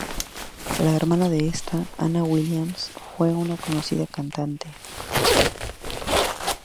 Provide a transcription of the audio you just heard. La hermana de esta, Anna Williams, fue una conocida cantante.